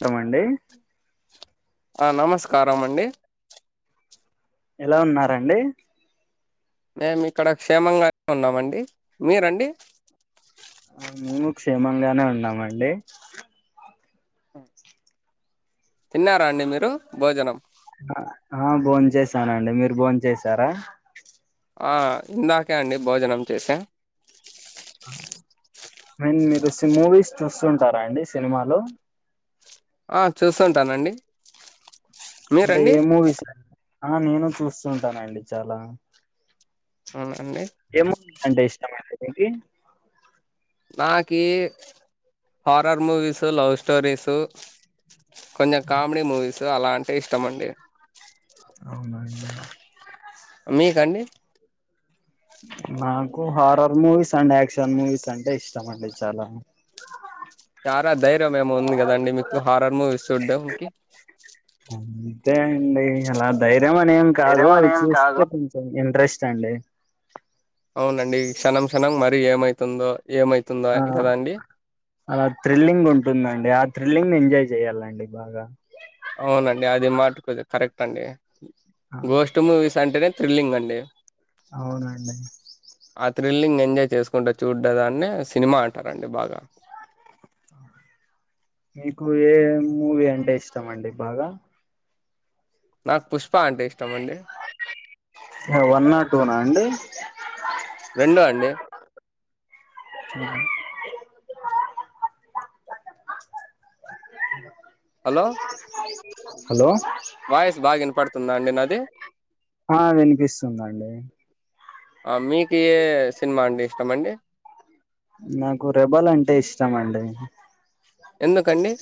తమండి ఆ నమస్కారం అండి ఎలా ఉన్నారండి మేము ఇక్కడ క్షేమంగానే ఉన్నామండి మీరండి మేము క్షేమంగానే ఉన్నామండి హ తిన్నారా అండి మీరు భోజనం ఆ భోన్ చేసానండి మీరు భోన్ చేసారా ఆ ఇందాకే అండి భోజనం చేసాం అండ్ మీరు స్ మూవీస్ చూస్తుంటారా అండి సినిమాలు ఆ చూస్తుంటానండి అంటే మీరండి ఏ మూవీస్ అ ఆ నేను చూస్తూ ఉంటానండి చాలా అవునండి ఏంటి నాకి హారర్ మూవీసు, లవ్ స్టోరీసు కొంచెం కామెడి మూవిసు అలాం టే ఇష్టమండి అవునా అం మీకండి నాకు horror movies and action movies అంటే ఇష్టం అండి చాలా చారా ధైర్యం ఏమో ఉంది గదండి మీకు హారర్ మూవీస్ చూడ్డంకి అంతే అండి అలా ధైర్ ఏమన్ ఏం కాదు అవి చూస్తే కొంచం ఇంట్రెస్ట్ చండే అవునండి క్షణం క్షణం మరీ ఏమైతుందో ఏమైతుందో ఆ అని కదండి అలా థ్రిల్లింగ్ ఉంటుందండి ఆ థ్రిల్లింగ్ ని ఎంజాయ్ చేయ్యాలండి బాగా అవునండి అది మాట్కోది కరెక్ట్ అండి ఆ గోష్ట్ మూవీస్ అంటనే థ్రిల్లింగ్ అండి అవునండి. ఆ థ్రిల్లింగ్ ఎంజాయ్ చేసుకుంటా చూడదాన్నే సినిమా అంటారండి బాగా మీకు ఏ మూవీ అంటే ఇష్టం అండి బాగా నాకు పుష్ప అంటే ఇష్టం అండి వన్ ఆ టూ నా అండి రెండు అండి ఊమ్ ఆ మా హలో గ్యాస్ పోయిది హలో వాయిస్ బాగా వినబడుతు స్తుందండి నాది ఆ వినిపిస్తుందా అండి ఆ మీకు ఏ సినిమా అంటే ఇష్టమండి నాకు రెబల్ అంటే ఇష్టమండి ఎందుకండీ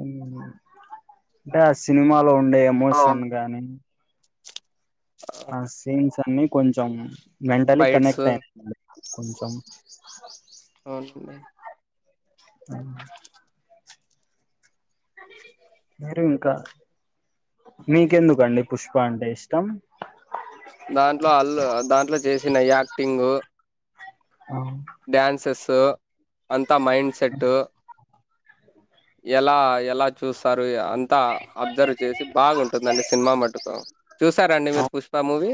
ఊమ్ అంటే ఆ సినిమాలో ఊ ఉండే అవును ఎమోషన్ గాని ఆ సెన్స్ అన్ని కొంచం మెంటలీ ఫైట్స్ కనెక్ట్ అయిన కొంచెం అవునండి మీరు ఇంకా మీకెందుకండి పుష్ప అంటే ఇష్టం దాంట్లో అల్లు దాంట్లో చేసిన యాక్టింగ్ ఆ డ్యాన్సెస్ తు అంత త్త మైండ్ సెట్ ఎలా ఎలా చూస్తారు ఇగ అంతా అబ్జర్వ్ చేసి బాగుంటుందండి సినిమా మట్టుకు చూసారండి ఆ మీరు పుష్ప మూవీ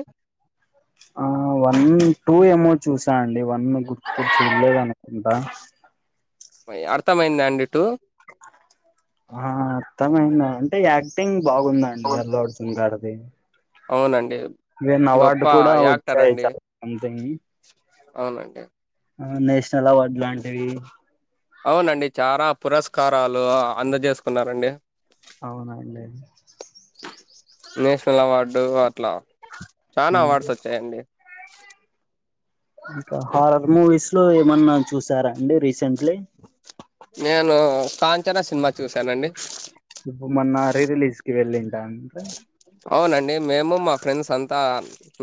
ఆ వన్ టూ ఏమో చూసా అండి ఇవన్నీ గుర్తుకొచ్చిలేద అనుకుంటా అర్థమైంద అండి ఇటు ఆ అర్థమైంద అంటే యాక్టింగ్ బాగుందండి అవును. అల్లు అర్జున్ గారు దే అవునండి నిన్న అవార్డు గొప్ప కూడా యాక్టర్ వచ్చాయి అండి చాలా సంథింగ్ అవునండి నేషనల్ అవార్డు లాంటివి అవునండి చార పురస్కారాలు అందజేసుకున్నారండి అవునండి నేషనల్ అవార్డు అట్లా చానా అవార్డ్స్ వచ్చాయండి ఇంకా హారర్ మూవీస్ లో ఏమన్నా చూసారా అండి రీసెంట్లీ నేను కాంచనా సినిమా చూశానండి ఇవి వెళ్లిండా అంటే అవునండి మేము మా ఫ్రెండ్స్ అంతా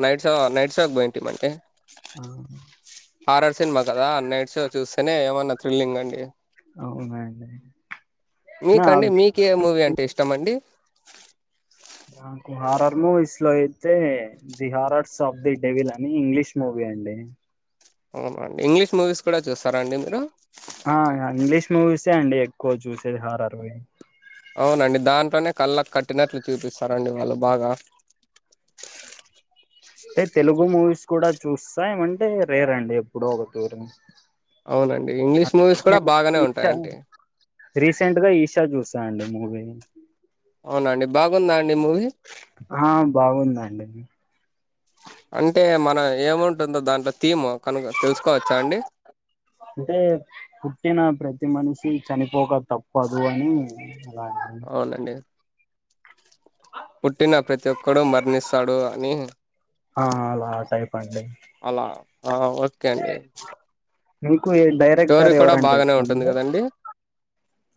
నైట్ షో నైట్ షోకి పోయింటిమంటే ఆ హారర్ సినిమా కదా నైట్ షో చూసి తనే ఏమన్నా థ్రిల్లింగ్ అండి అవునండి నా మీకండి మీ కే మూవీ అంటే ఇష్టం అండి నాకు హారర్ మూవీస్ లో అయితే the horrors of the devil అని ఇంగ్లీష్ మూవీ అండి అవునండి ఇంగ్లీష్ మూవీస్ కూడా చూస్తారా అండి మీరు ఆ ఇంగ్లీష్ మూవీస్ ఏ అండి ఎక్కువ చూసేది హర్రర్ వి అవునండి దాంట్లోనే కళ్ళకు కట్టినట్లు చూపిస్తారండి వాళ్ళు బాగా సే తెలుగు మూవీస్ కూడా చూస్తా ఏమంటే రే రండి ఎప్పుడు ఒక తూరి అవునండి ఇంగ్లీష్ మూవీస్ కూడా బాగానే ఈషా ఉంటాయండి రీసెంట్ గా ఈషా చూసాండి మూవీ అవునండి బాగుందా అ ఆ బాగుంది దండి అంటే మన ఏముంటుందో దాంట్లో థీమ్ కనుక తెలుసుకోవచ్చా అండి [inaudible] అంటే పుట్టిన ప్రతి మనిషి చనిపోక తప్పదు అని అలా అండి. అవునండి పుట్టిన ప్రతి ఒక్కడు మరణిస్తాడు అని ఆ అలా టైప్ అండి అలా ఆ ఓకే అండి ఉం ఎక్కువ స్టోరీ డైరెక్టర్ కూడా ఎవరంటే బాగానే ఇష్టం ఉంటుంది అండి కదండి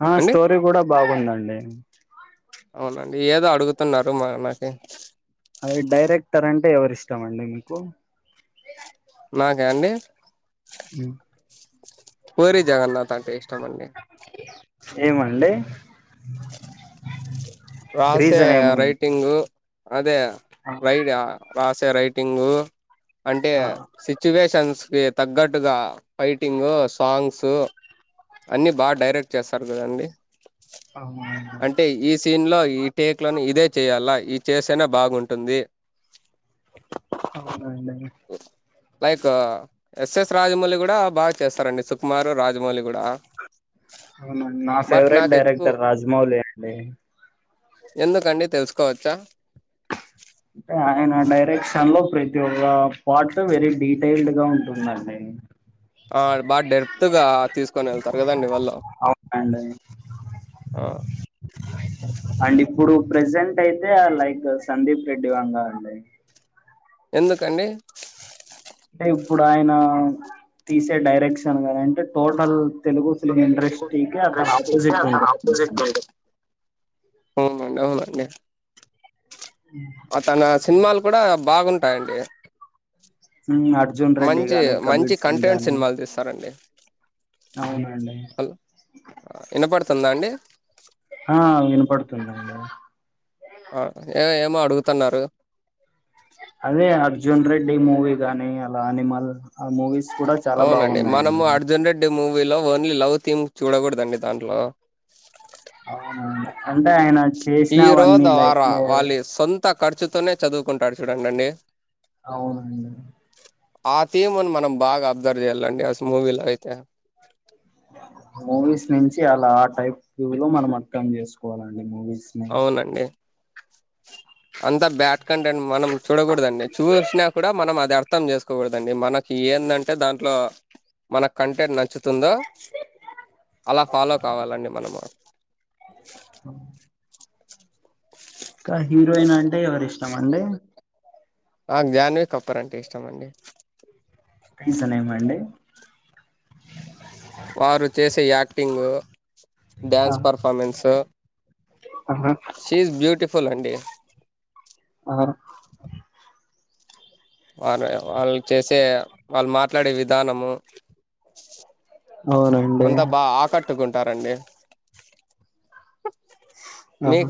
ఆ అండి స్టోరీ కూడా బాగుందండి తన్నారు మా నాకి అదే డైరెక్టర్ అంటే ఎవరి ఇష్టం అండి మీకు నాకా అండి పూరి జగన్నాథ్ అంటే ఇష్టంమండి ఏమండి రాసే రీజన్ ఏమన్ రైటింగ్ అదే ఆ లైవ్ వా రాసే రైటింగు అంటే ఆ సిచ్యువేషన్స్ తగ్గట్టుగా, ఫైటింగ్ సాంగ్స్ అన్ని బా డైరెక్ట్ చేస్తారు కదండి అవునండి అంటే ఈ సీన్ లో ఈ టేక్ లోని ఇదే చేయాలా ఇ చేస్తనే బాగుంటుంది అవునండి లైక్ ఎస్ ఎస్ రాజమౌళి కూడా బాగా చేస్తారండి, సుకుమారు రాజమౌళి కూడా అవునండి నా ఫేవరెట్ నాకెక్కువ డైరెక్టర్ రాజమౌళి అండి కోవచ్చ అంటే ఆయన డైరెక్షన్ లో ప్రతి ఒక్క పార్ట్ వెరీ డీటెయిల్డ్గా ఉంటుందండి ఆ బాగా డేప్త్గా తీసుకొని వెళ్తారు కదండి వాళ్ళు అవునండి ఆ ప్రజెంట్ అయితే లైక్ సందీప్ రెడ్డి వంగా అండి ఎందుకండి అంటే ఇప్పుడు ఆయన తీసే డైరెక్షన్ గాని అంటే టోటల్ తెలుగు ఇప్పుడు ఫిలిమ్ తెలుగు ఇండస్ట్రీ క తన ఆపోజిట్ ఉంట అ మడి ఉవు మడి తన సినిమాలు కూడా బాగుం అండి ఉ అర్జున్ రెడ్డి గానీ మంచి కబీర్ సింగ్ కంటెంట్ గానీ సినిమాలు తీస్తారండి. హలో వినపడుతుందా అండి ఆ వినపడుతుందండి ఆ ఎ ఏమో అడుగుతున్నారు అదే అర్జున్ రెడ్డి మూవీ గాని అలా అనిమల్ ఆ మూవీస్ కూడా చాలా అవునండి మనము బాగున్నాయండి అర్జున్ రెడ్డి. ఏ మూవీలో ఓన్లీ లవ్ థీమ్ చూడకూడదండి దాంట్లో. అవునండి అంటే ఆయన హీరో చేసినావన్నీ లైఫ్ ద్వారా లో వాళ్ళ సొంత ఖర్చుతోనే చదువుకుంటాడు చూడండి అండి. అవును అండి. ఆ థీమును మనం బాగా అబ్జర్వ్ చేయాలండి అసలు మూవీలో అయితే. మూవీస్ నుంచి అలా ఆ టైప్ లో మనం అర్థం చేసుకోవాలండి మూవీస్. ని అవునండీ. అంతా బ్యాడ్ కంటెంట్ మనం. చూడకూడదండి చూసినా కూడా మనం అర్ అది అర్థం చేసుకోకూడదండి మనకి ఏందంటే దాంట్లో మనకు కంటెంట్ నచ్చుతుందా. అలా ఫాలో కావాలండి మనము. తమర అండి. నాకు జాన్వి కపూర్ అంటే ఇష్టం అండి. రీజన్ ఏం అండి. కింగు ఆ డాన్స్ పర్ఫామెన్స్. ఆహా షి హిస్ బ్యూటిఫుల్. ఫుల్ అండి. ఆహ్ అరే వాళ్ళు చేసే వాళ్ళు మాట్లాడే విధానము. అవునండి అంతా బా ఆకట్టుకుం తా రండి. ఆహ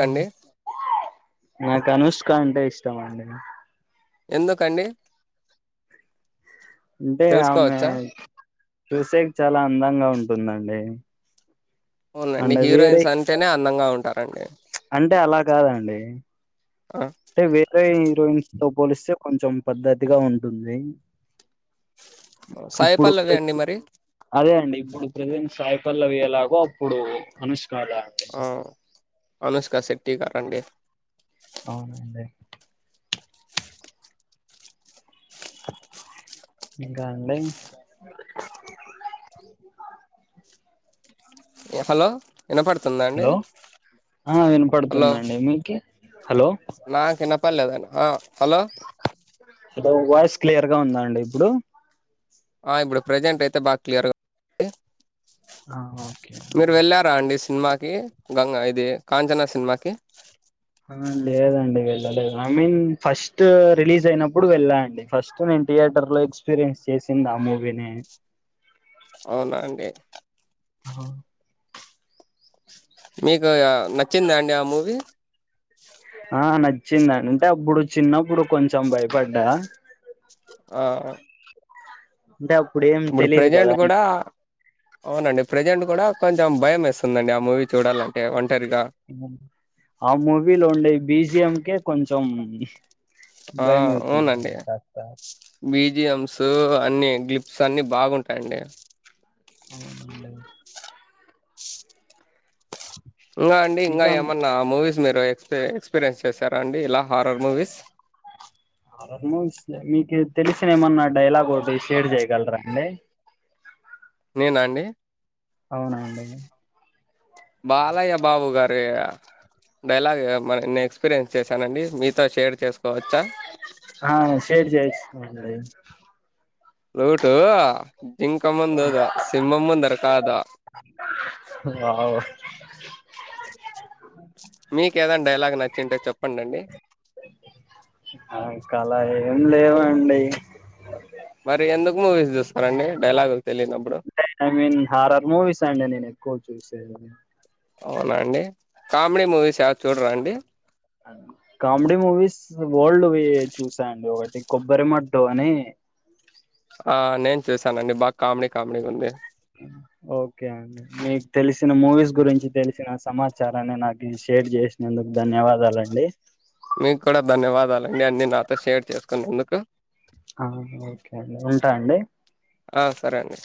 నాకు అనుష్ ష్క అంటే ఇష్టం అండి. ఎందుకండీ. అంటే ఆమె. చూసే కి చాలా అందంగా ఉంటుందండి. అవునండి అండ్ వేరే హీరోయిన్స్ అంటేనే అందంగా ఉంటారు. అండి. అంటే అలా కాదండి ఆ, అంటే వేరే హీరోయిన్స్. తో పోలిస్తే కొంచెం పద్ధతిగా ఉంటుంది. సాయి ఇప్పుడు పల్లవి ప అండి మరి అదే అండి ఇప్పుడు ప్రజెంట్ సాయిపల్లవి. ఎలాగో అప్పుడు అనుష్కల ఆహ్ అనుష్క శెట్టి గారండి. అవునాండి. ఇంకా అండి హలో వినపడుతుందా అండి హలో ఆ హలో వినపడుతుందండి మీకి హలో నాకు ఇనపడలేదు ఆ హలో హలో వాయిస్ క్లియర్ గా ఉందా అండి ఇప్పుడు ఆ ఇప్పుడు ప్రజెంట్ అయితే బాగా క్లియర్గా ఉంది ఆ ఓకే అండి సినిమాకి గంగా ఇది కాంచనా సినిమాకి ఆ లేదండి వెళ్ళలేదు ఐ మీన్ ఫస్ట్ రిలీజ్ అయినప్పుడు వెళ్ళా అండి ఫస్ట్ నేను థియేటర్ లో ఎక్స్పీరియన్స్ చేసింది ఆ మూవీనే అవునా అండి ఆహా. మీకు నచ్చిందా అండి ఆ మూవీ ఆ నచ్చిందండి అంటే అప్పుడు చిన్నప్పుడు కొంచెం భయపడ్డా ఆ అంటే అప్పుడు ఏం తెలీదు కదా కూడా అవునండి ప్రెజెంట్ కూడా కొంచెం భయం వేస్తుందండి ఆ మూవీ చూడాలంటే ఒం ఆ మూవీలో ఉండే బి జి ఎం కే కొం తమ్ ఆ భయం అయితుంది కాస్త బి జి యంస్ అన్ని గ్లిప్స్ అన్ని బాగుంటాయండి అవునండి ఇంగా అండి ఇంగా ఇంకా ఏమన్నా మూవీస్ మీరు ఎక్స్ ఎక్స్పీరియన్స్ చేసారా అండి లా హారర్ మూవీస్ ఆల్మోస్ట్ మీకు తెలిసిన ఏమన్నా డైలాగ్ ఒకటి షేర్ చేయగలరా అండి. నేనా అండీ అవునండి బాలయ్య బాబు గారీ డైలాగ్ మరి నేన్ ఎక్స్పీరియన్స్ చేశానండి మీతో షేర్ చేసుకోవచ్చా ఆ షేర్ చేయచ్చు అదీ ప్లూటూ జింకముందు ఊదూ సింహం ముందర కాదు వావ్ మీకు ఏదైనా డైలాగ్ నచ్చింటే చెప్పండండి ఇంకా అలా ఏం లేవండీ మరి ఎందుకు మూవీస్ చూస్తారండి డైలాగులు తెలీనప్పుడు అంటే ఐ మీన్ హారర్ మూవీస్ అండి నేను ఎక్కువ చూసేది అవునా అండి కామెడీ మూవీస్ ఎవరు చూడరా అండి కామెడీ మూవీస్ ఓల్డ్వి చూసాను, ఒకటి కొబ్బరి మట్టు అని. ఆ నేను చూసానండి. బాగ్ కామెడీ, కామెడీ ఉంది. ఉమ్ ఓకే అండి మీక్ తెలిస్. కొన్ని మూవీస్ గురించి తెలిసిన సమాచ్. ఇచ్చారని, నాకు షేర్ చేసినందుకు ధన్యవాదాలండి. మీక్ కూడా ధన్యవాదాలండి, అన్నీ నాతో షేర్ చేసుకున్నందుకు. ఆ ఓకే అండి ఉంటా అండి ఆ సరే అండి.